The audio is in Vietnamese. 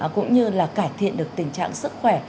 cũng như là cải thiện được tình trạng sức khỏe